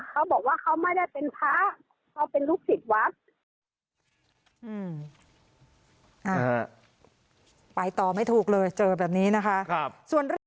เขาบอกว่าเขาไม่ได้เป็นพระเขาเป็นลูกศิษย์วัด